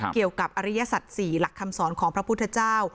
เกี่ยวกับอริยสัตว์๔หลักคำสอนของพระพุทธเจ้า